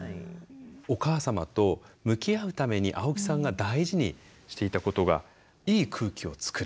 お母様と向き合うために青木さんが大事にしていたことがいい空気を作る。